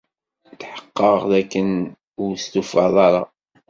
Tḥeqqeɣ d akken ur testufaḍ ara.